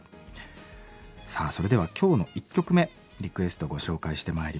さあそれでは今日の１曲目リクエストご紹介してまいります。